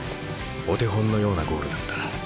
お手本のようなゴールだった。